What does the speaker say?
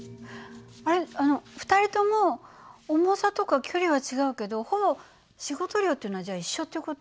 あの２人とも重さとか距離は違うけどほぼ仕事量っていうのはじゃあ一緒っていう事？